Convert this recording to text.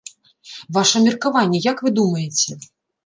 Ваша меркаванне, як вы думаеце?